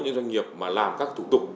những doanh nghiệp mà làm các thủ tục